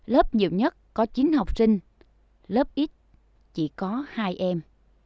lớp nhiều nhất có chín học sinh lớp ít chỉ có hai em